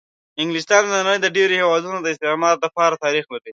انګلستان د د نړۍ د ډېرو هېوادونو د استعمار دپاره تاریخ لري.